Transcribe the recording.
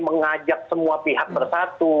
mengajak semua pihak bersatu